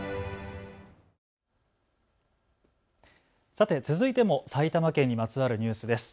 さて続いても埼玉県にまつわるニュースです。